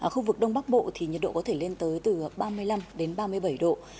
khu vực đông bắc bộ thì nhiệt độ có thể lên tới từ ba mươi năm đến ba mươi bảy độ